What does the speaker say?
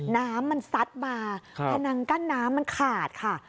น้ำมันซัดมาพนังกั้นน้ำมันขาดค่ะ